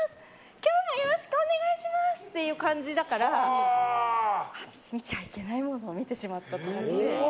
今日もよろしくお願いします！っていう感じだから見ちゃいけないものを見てしまったと思って。